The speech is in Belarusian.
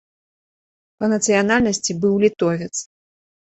Па нацыянальнасці быў літовец.